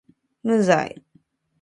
無罪